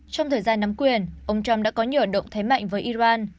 trong thời gian nắm quyền ông trump đã có nhiều động thế mạnh với iran